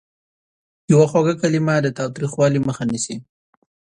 یوه خوږه کلمه د تاوتریخوالي مخه نیسي.